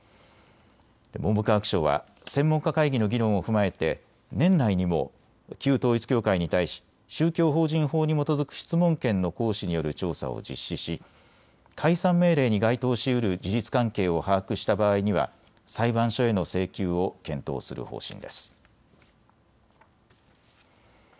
文部科学省は専門家会議の議論を踏まえて年内にも旧統一教会に対し宗教法人法に基づく質問権の行使による調査を実施し解散命令に該当しうる事実関係を把握した場合には裁判所への請求を検討する方針です。